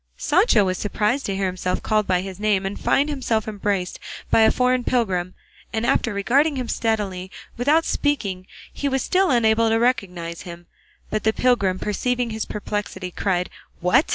Sancho was surprised to hear himself called by his name and find himself embraced by a foreign pilgrim, and after regarding him steadily without speaking he was still unable to recognise him; but the pilgrim perceiving his perplexity cried, "What!